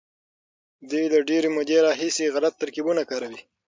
دوی له ډېرې مودې راهيسې غلط ترکيبونه کاروي.